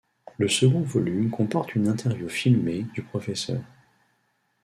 Le second volume comporte une interview filmée du Pr.